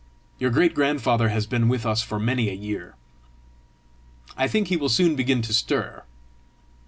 Your great grandfather has been with us for many a year; I think he will soon begin to stir.